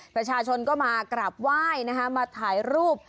ประชาชนก็มากราบไหว้นะคะมาถ่ายรูป